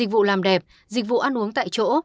dịch vụ làm đẹp dịch vụ ăn uống tại chỗ